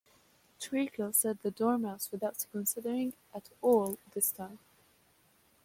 ‘Treacle,’ said the Dormouse, without considering at all this time.